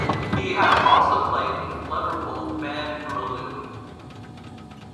He has also played with Liverpool band Mulu.